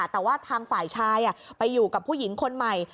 แต่ว่าทางฝ่ายชายไปอยู่กับผู้หญิงคนใหม่